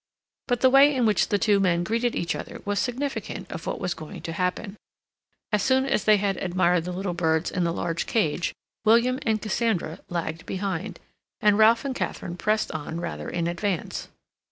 But the way in which the two men greeted each other was significant of what was going to happen. As soon as they had admired the little birds in the large cage William and Cassandra lagged behind, and Ralph and Katharine pressed on rather in advance.